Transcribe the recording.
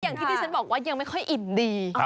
ที่ที่ฉันบอกว่ายังไม่ค่อยอิ่มดี